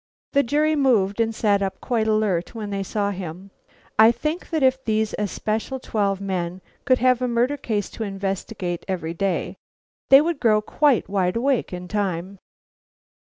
The jury moved and sat up quite alert when they saw him. I think that if these especial twelve men could have a murder case to investigate every day, they would grow quite wide awake in time.